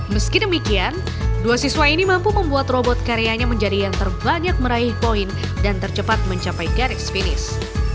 meski demikian dua siswa ini mampu membuat robot karyanya menjadi yang terbanyak meraih poin dan tercepat mencapai garis finish